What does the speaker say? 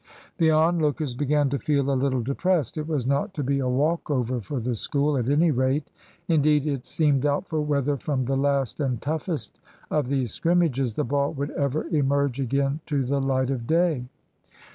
The onlookers began to feel a little depressed. It was not to be a walk over for the School, at any rate. Indeed, it seemed doubtful whether from the last and toughest of these scrimmages the ball would ever emerge again to the light of day.